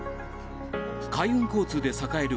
海運交通で栄える